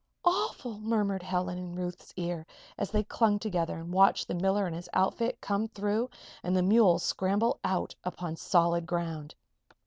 awful!" murmured Helen, in Ruth's ear, as they clung together and watched the miller and his outfit come through and the mules scramble out upon solid ground.